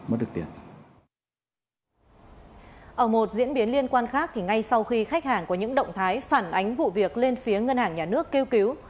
ở một diễn biến liên quan khác thì ngay sau khi khách hàng có những động thái phản ánh vụ việc lên phía ngân hàng nhà nước kêu cứu